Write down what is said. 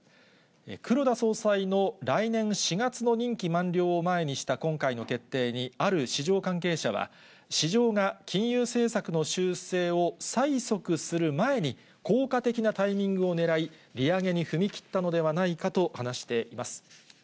黒田総裁の来年４月の任期満了を前にした今回の決定に、ある市場関係者は、市場が金融政策の修正を催促する前に、効果的なタイミングをねらい、利上げに踏み切ったのではないかと話しています。